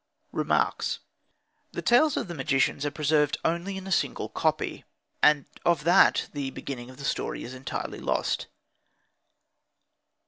_ Remarks The tales or the magicians are only preserved in a single copy, and of that the beginning is entirely lost.